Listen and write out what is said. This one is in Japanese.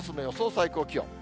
最高気温。